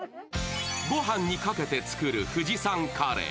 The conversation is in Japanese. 御飯にかけて作る富士山カレー。